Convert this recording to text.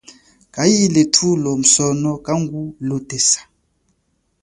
Chaile thulo musono kangu lotesa.